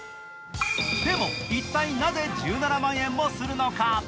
でも一体なぜ１７万円もするのか。